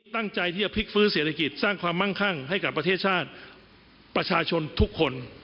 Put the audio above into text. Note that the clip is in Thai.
ตั้งใจที่จะพลิกฟื้นเศรษฐกิจสร้างความมั่งคั่งให้กับประเทศชาติประชาชนทุกคน